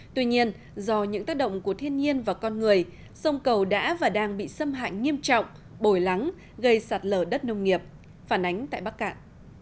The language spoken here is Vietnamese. tuy nhiên do những tác động của thiên nhiên và con người sông cầu đã và đang bị xâm hại nghiêm trọng bồi lắng gây sạt lở đất nông nghiệp phản ánh tại bắc cạn